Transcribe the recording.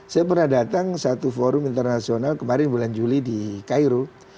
saya pernah datang satu forum internasional kemarin bulan juli di cairo